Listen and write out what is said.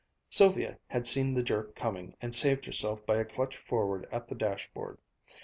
Sylvia had seen the jerk coming and saved herself by a clutch forward at the dashboard.